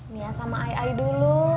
nia sama ai dulu